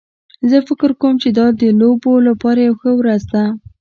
زه فکر کوم چې دا د لوبو لپاره یوه ښه ورځ ده